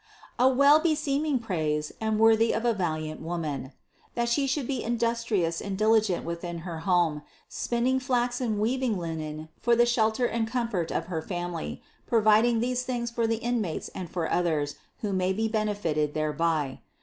A well beseem ing praise and worthy of a valiant woman: that she 592 CITY OF GOD should be industrious and diligent within her home, spin ning flax and weaving linen for the shelter and comfort of her family, providing these things for the inmates and for others, who may be benefited thereby.